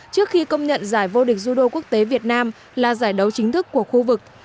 trước khi công nhận giải vô địch judo quốc tế việt nam là giải đấu chính thức của khu vực